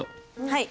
はい。